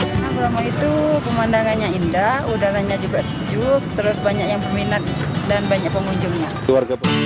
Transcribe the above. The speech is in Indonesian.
gunung bromo itu pemandangannya indah udaranya juga sejuk terus banyak yang peminat dan banyak pengunjungnya